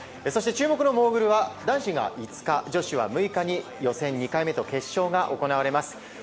そして注目のモーグルは男子が５日、女子が６日に予選２回目と決勝が行われます。